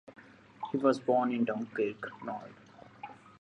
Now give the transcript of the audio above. He was born in Dunkirk, Nord.